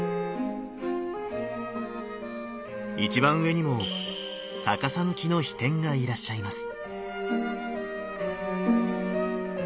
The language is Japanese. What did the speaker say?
一番上にも逆さ向きの飛天がいらっしゃいます。